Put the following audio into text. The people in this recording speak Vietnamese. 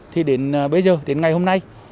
thì đến bây giờ đến ngày hôm nay